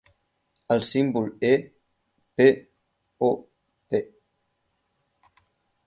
El símbol é "p" o "P".